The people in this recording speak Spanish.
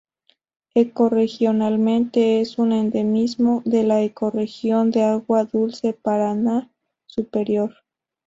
Ecorregionalmente es un endemismo de la ecorregión de agua dulce Paraná superior.